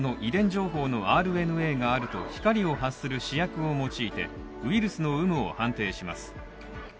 情報のＲＮＡがあると光を発する試薬を用いてウイルスの有無を判定します。